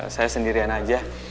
saya sendirian aja